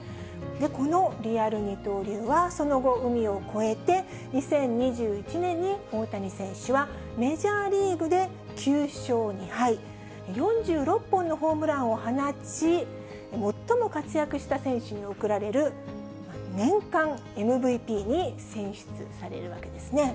このリアル二刀流は、その後、海を越えて、２０２１年に大谷選手はメジャーリーグで９勝２敗、４６本のホームランを放ち、最も活躍した選手に贈られる、年間ＭＶＰに選出されるわけですね。